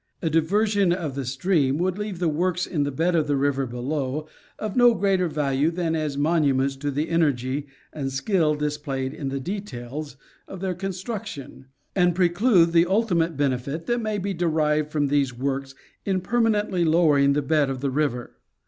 A diversion of the stream would leave the works in the bed of the river below of no greater value than as monuments to the energy and skill displayed in the details of their construction, and preclude the ultimate benefit that may be derived from these works in permanently lowering the bed of the river.